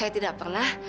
saya tidak pernah